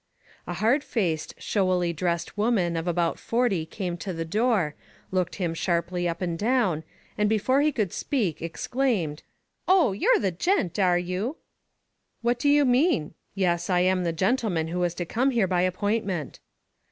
*' A hard faced, showily dressed woman of about forty came to the door, looked him sharply up and down, and before he could speak exclaimed : Oh, youVe the gent, are you? What do you mean? Yes, I am the gentle man who was to come here by appointment.